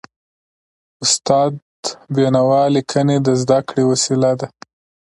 استاد د بينوا ليکني د زده کړي وسیله ده.